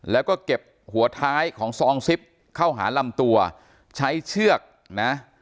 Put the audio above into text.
แล้วก็เก็บหัวท้ายของซองซิปเข้าหาลำตัวใช้เชือกนะ